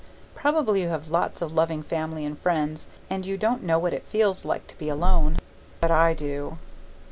Probably you have lots of loving family and friends, and you don't know what it feels like to be alone. But I do.